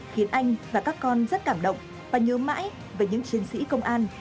khiến anh và các con rất cảm động và nhớ mãi về những chiến sĩ công an